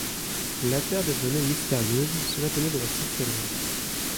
L’affaire devenait mystérieuse, cela tenait de la sorcellerie.